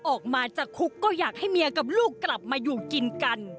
ออกมาจากคุกก็อยากให้เมียกับลูกกลับมาอยู่กินกัน